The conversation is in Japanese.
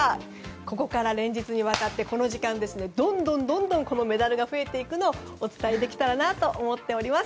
ここから連日にわたってこの時間、どんどんこのメダルが増えていくのをお伝えできたらと思っています。